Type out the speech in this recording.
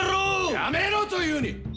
やめろと言うに！